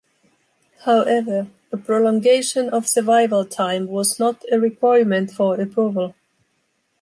However, an prolongation of survival time was not a requirement for approval.